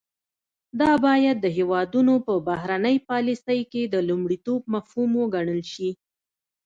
دا باید د هیوادونو په بهرنۍ پالیسۍ کې د لومړیتوب مفهوم وګڼل شي